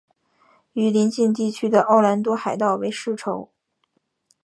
与邻近地区的奥兰多海盗为世仇。